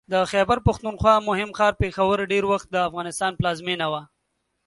د خیبر پښتونخوا مهم ښار پېښور ډېر وخت د افغانستان پلازمېنه وه